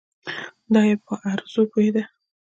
دای په عروضو پوهېده.